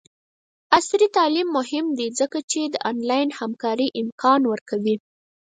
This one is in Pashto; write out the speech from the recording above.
عصري تعلیم مهم دی ځکه چې د آنلاین همکارۍ امکان ورکوي.